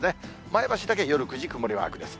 前橋だけ夜９時、曇りマークです。